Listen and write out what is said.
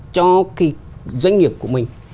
cho cái doanh nghiệp của mình